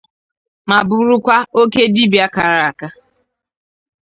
ma bụrụkwa oke dibịa kara aka